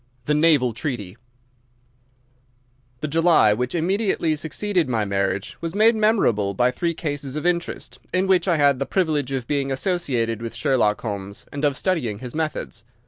The Naval Treaty The July which immediately succeeded my marriage was made memorable by three cases of interest, in which I had the privilege of being associated with Sherlock Holmes and of studying his methods.